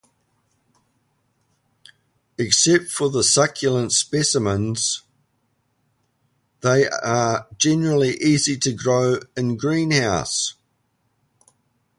Except for the succulent species, they are generally easy to grow in a greenhouse.